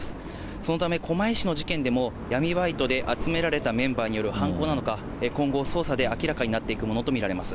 そのため狛江市の事件でも闇バイトで集められたメンバーによる犯行なのか、今後、捜査で明らかになっていくものと見られます。